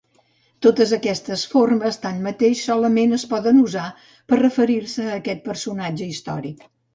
Totes aquestes formes, tanmateix, solament es poden usar per a referir-se a aquest personatge històric.